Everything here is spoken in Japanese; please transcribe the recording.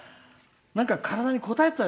なんか体に、こたえてた。